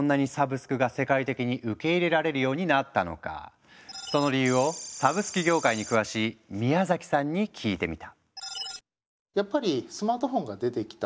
でもその理由をサブスク業界に詳しい宮崎さんに聞いてみた。